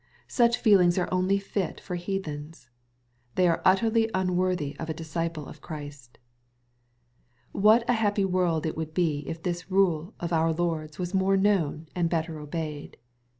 Such feel ings are only fit for heathens. They are utterly un worthy of a disciple of Christ. What a happy world it would be if this rule of oui Lord's was more known and better obeyed !